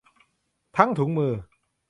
ทั้งถุงมือ